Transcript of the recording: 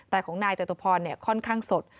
แต่ของนายจตุพรค่อนข้างสด